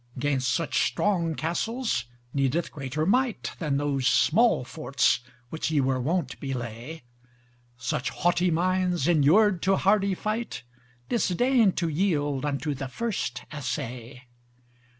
'Gainst such strong castles needeth greater might, Than those small forts which ye were wont belay: Such haughty minds enur'd to hardy fight Disdain to yield unto the first assay.